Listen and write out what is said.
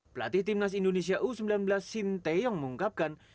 pelatih timnas indonesia u sembilan belas sim teong mengungkapkan